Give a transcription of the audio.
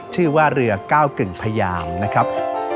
ชื่อว่าเรือก้าวกึ่งพยามนะครับ